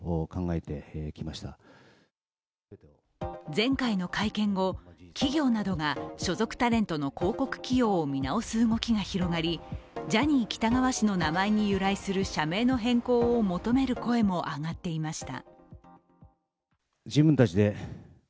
前回の会見後、企業などが所属タレントの広告起用を見直す動きが広がり、ジャニー喜多川氏の名前に由来する社名の変更を求める声も上がっていました。